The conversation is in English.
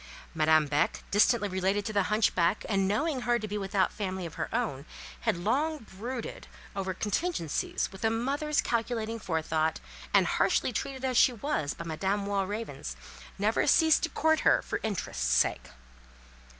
Madame Beck, distantly related to the hunchback and knowing her to be without family of her own, had long brooded over contingencies with a mother's calculating forethought, and, harshly treated as she was by Madame Walravens, never ceased to court her for interest's sake.